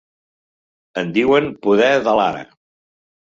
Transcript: En diuen “poder de l’ara”.